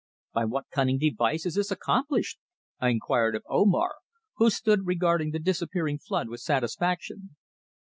"By what cunning device is this accomplished?" I inquired of Omar, who stood regarding the disappearing flood with satisfaction.